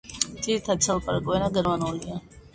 ძირითადი სალაპარაკო ენა გერმანულია.